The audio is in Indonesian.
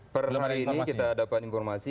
per hari ini kita dapat informasi